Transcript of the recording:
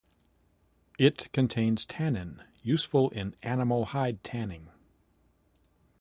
It contains tannin useful in animal hide tanning.